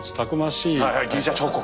はいはいギリシャ彫刻。